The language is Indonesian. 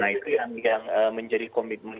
nah itu yang yang eh menjadi kompetensi ya